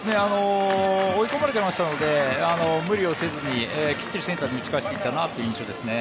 追い込まれてましたので無理をせずにきっちりセンターに打ち返していったなという印象ですね。